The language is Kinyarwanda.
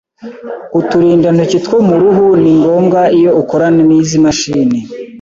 Uturindantoki two mu ruhu ni ngombwa iyo ukorana nizi mashini.